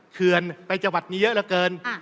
เขื่อนไปจังหวัดนี้เยอะเหลือเกิน